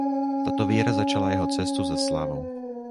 Tato výhra začala jeho cestu za slávou.